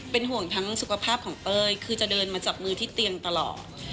เป็นห่วงทั้งสุขภาพของเต้ยคือจะเดินมาจับมือที่เตียงตลอด